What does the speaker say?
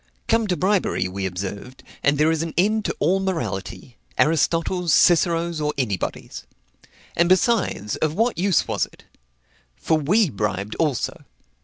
Come to bribery, we observed, and there is an end to all morality, Aristotle's, Cicero's, or anybody's. And, besides, of what use was it? For we bribed also.